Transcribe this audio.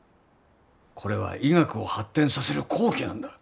これは医学を発展させる好機なんだ。